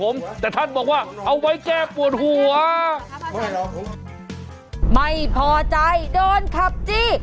ไม่พอใจโดนขับจี้